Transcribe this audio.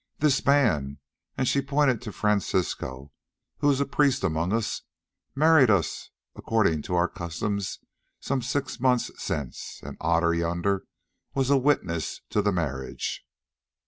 "This man," and she pointed to Francisco, "who is a priest among us, married us according to our customs some six moons since, and Otter yonder was witness to the marriage."